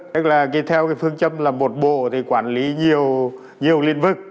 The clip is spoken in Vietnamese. thế là theo cái phương châm là một bộ thì quản lý nhiều liên vực